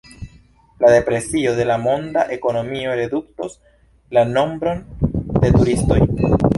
La depresio de la monda ekonomio reduktos la nombron de turistoj.